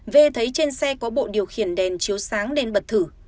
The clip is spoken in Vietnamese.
v thấy trên xe có bộ điều khiển đèn chiếu sáng nên bật thử